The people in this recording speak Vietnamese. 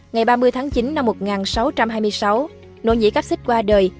ngày ba mươi tháng chín năm một nghìn sáu trăm hai mươi sáu nội nhị cáp xích qua đời